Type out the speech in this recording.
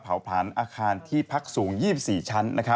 ผลันอาคารที่พักสูง๒๔ชั้น